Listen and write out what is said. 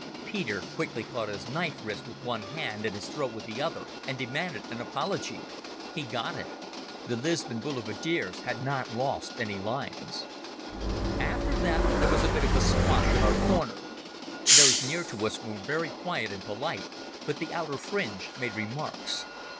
Peter quickly caught his knife wrist with one hand and his throat with the other, and demanded an apology. He got it. The Lisbon boulevardiers have not lost any lions. After that there was a bit of a squash in our corner. Those near to us were very quiet and polite, but the outer fringe made remarks.